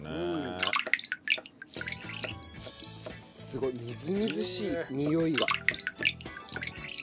すごいみずみずしいにおいが。